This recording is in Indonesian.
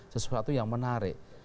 sesuatu yang menarik